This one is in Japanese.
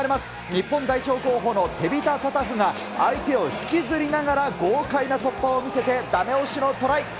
日本代表候補のテビタ・タタフが相手を引きずりながら豪快な突破を見せて、だめ押しのトライ。